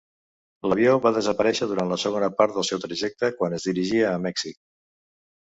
L'avió va desaparèixer durant la segona part del seu trajecte quan es dirigia a Mèxic.